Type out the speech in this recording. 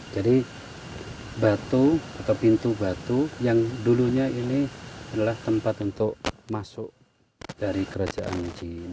jadi batu atau pintu batu yang dulunya ini adalah tempat untuk masuk dari kerajaan jin